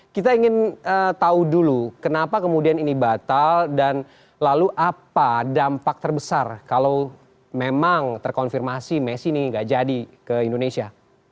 kita ingin tahu dulu kenapa kemudian ini batal dan lalu apa dampak terbesar kalau memang terkonfirmasi messi ini nggak jadi ke indonesia